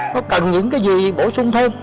nó cần những cái gì bổ sung thêm